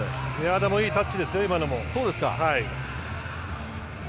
でもいいタッチですよ、今のも。